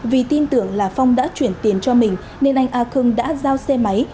vì tin tưởng là phong đã chuyển tiền cho mình nên anh a khương đã giao xe máy